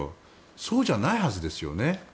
そうじゃないはずですよね。